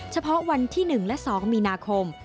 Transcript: เฉพาะวันที่๑และ๒มีนาคม